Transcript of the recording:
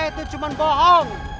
neraka itu cuma bohong